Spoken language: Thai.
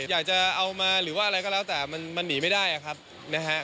อยากจะเอามาหรือว่าอะไรก็แล้วแต่มันหนีไม่ได้ครับนะฮะ